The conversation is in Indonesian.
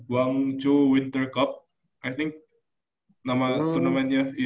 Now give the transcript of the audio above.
wangzhou winter cup i think nama turnamennya iya